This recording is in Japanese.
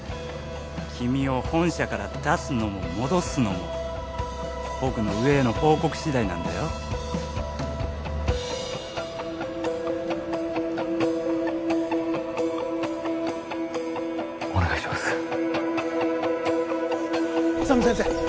君を本社から出すのも戻すのも僕の上への報告次第なんだよお願いします浅見先生